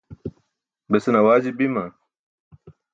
besan awaaji bima?